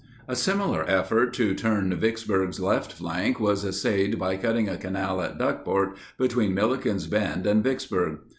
A similar effort to turn Vicksburg's left flank was essayed by cutting a canal at Duckport, between Milliken's Bend and Vicksburg.